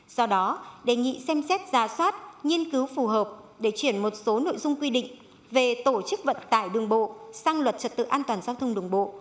do đó đề nghị xem xét ra soát nghiên cứu phù hợp để chuyển một số nội dung quy định về tổ chức vận tải đường bộ sang luật trật tự an toàn giao thông đường bộ